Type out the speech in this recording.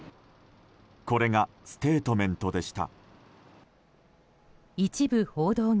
これがステートメントでした。